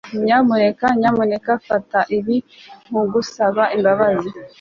nyamuneka nyamuneka fata ibi nkugusaba imbabazi